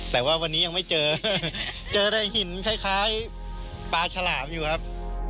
แต่ว่าวันนี้ยังไม่เจอเจอได้หินคล้ายปลาฉลามอยู่ครับ